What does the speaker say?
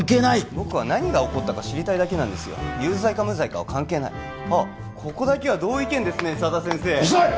僕は何が起こったか知りたいだけ有罪か無罪かは関係ないあッここだけは同意見ですねうるさい！